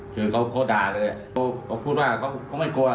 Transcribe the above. คือเขาด่าเลยเขาพูดว่าเขาไม่กลัว